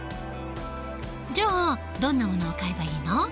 じゃあどんなものを買えばいいの？